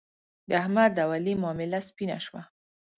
د احمد او علي معامله سپینه شوه.